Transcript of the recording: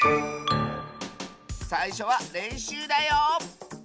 さいしょはれんしゅうだよ！